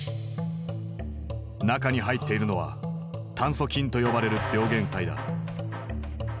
中に入っているのは炭疽菌と呼ばれる病原体だ。